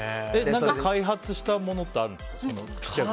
開発したものってありますか？